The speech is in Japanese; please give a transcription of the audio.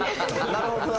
なるほどな。